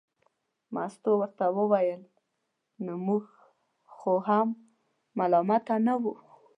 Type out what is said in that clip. مستو ورته وویل نو موږ خو هم ملامته نه وو.